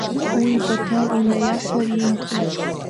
Уи Баҭал инаиаҳҳәар иимҭои.